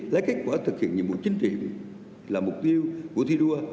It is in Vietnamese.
lấy kết quả thực hiện nhiệm vụ chính trị là mục tiêu của thi đua